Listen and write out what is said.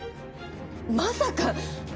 まさか！